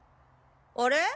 あれ？